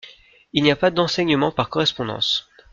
Il n'y a pas d'enseignement par correspondance.